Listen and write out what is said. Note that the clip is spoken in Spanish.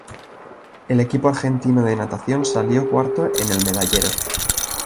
El equipo argentino de natación salió cuarto en el medallero.